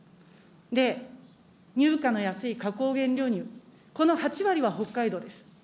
で、乳価の安い加工原料、この８割は北海道です。